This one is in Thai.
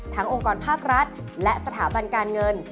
องค์กรภาครัฐและสถาบันการเงิน